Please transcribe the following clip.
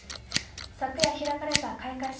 昨夜開かれた開会式。